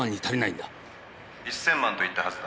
１，０００万と言ったはずだ。